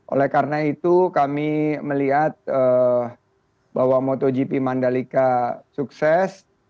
oleh karena itu kami melihat bahwa motogp mandalika sukses